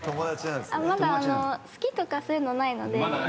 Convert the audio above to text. まだ好きとかそういうのないので。